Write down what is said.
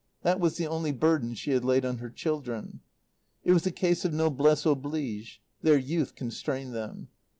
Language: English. That was the only burden she had laid on her children. It was a case of noblesse oblige; their youth constrained them.